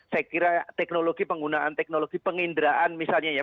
saya kira teknologi penggunaan teknologi penginderaan misalnya ya